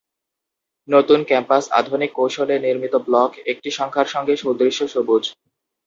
নতুন ক্যাম্পাস আধুনিক কৌশলে নির্মিত ব্লক একটি সংখ্যার সঙ্গে সুদৃশ্য সবুজ।